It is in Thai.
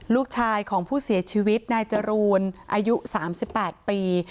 ลูกชายของผู้เสียชีวิตนายจรูนอายุ๓๘ปี